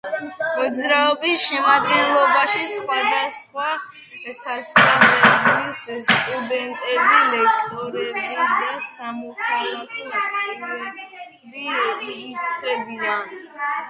მოძრაობის შემადგენლობაში სხვადასხვა სასწავლებლის სტუდენტები, ლექტორები და სამოქალაქო აქტივისტები ირიცხებიან.